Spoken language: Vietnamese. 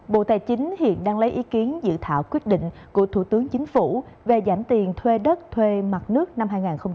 bộ tài chính hiện đang lấy ý kiến dự thảo quyết định của thủ tướng chính phủ về giảm tiền thuê đất thuê mặt nước năm hai nghìn hai mươi